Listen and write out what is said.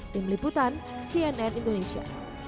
tim liputan cnn indonesia